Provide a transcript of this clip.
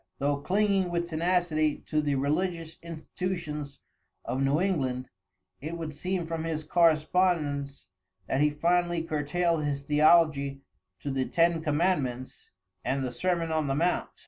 Though clinging with tenacity to the religious institutions of New England, it would seem from his correspondence that he finally curtailed his theology to the ten commandments and the sermon on the mount.